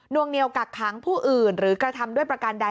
วงเหนียวกักขังผู้อื่นหรือกระทำด้วยประการใด